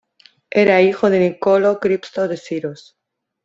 Era hijo de Niccolò Crispo de Siros.